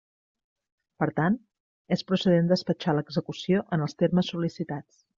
Per tant, és procedent despatxar l'execució en els termes sol·licitats.